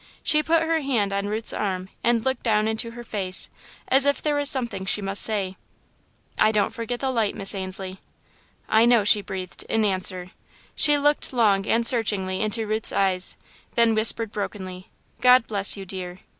She put her hand on Ruth's arm and looked down into her face, as if there was something she must say. "I don't forget the light, Miss Ainslie." "I know," she breathed, in answer. She looked long and searchingly into Ruth's eyes, then whispered brokenly, "God bless you, dear.